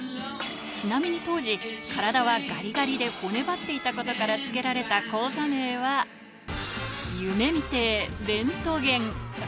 ちなみに当時、体はがりがりで骨ばっていたことから、付けられた高座名は、夢見亭恋ト源。